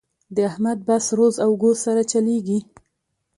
د احمد بس روز او ګوز سره چلېږي.